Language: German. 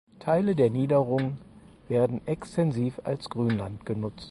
Teile der Niederung werden extensiv als Grünland genutzt.